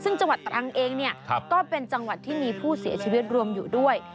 ซึ่งจังหวัดตรังเองเนี่ยก็เป็นจังหวัดที่มีผู้เสียชีวิตรวมอยู่ด้วย